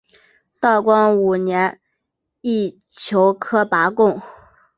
道光五年乙酉科拔贡。